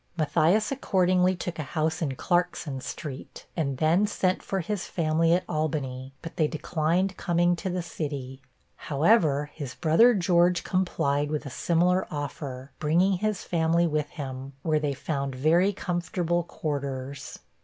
Matthias accordingly took a house in Clarkson street, and then sent for his family at Albany, but they declined coming to the city. However, his brother George complied with a similar offer, bringing his family with him, where they found very comfortable quarters.